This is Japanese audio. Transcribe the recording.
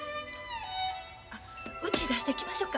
あうち出してきましょか。